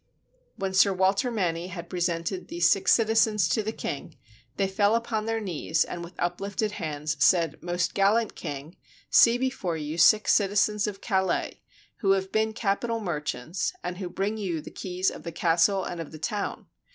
When Sir Walter Manny had presented these six citi zens to the king, they fell upon their knees, and with up lifted hands said, "Most gallant king, see before you six citizens of Calais, who have been capital merchants, and who bring you the keys of the castle and of the town.